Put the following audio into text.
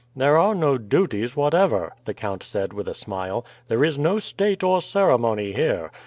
"There are no duties whatever," the count said with a smile. "There is no state or ceremony here.